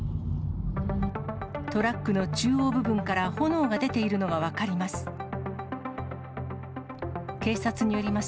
トラックの中央部分から炎が出ているのが分かります。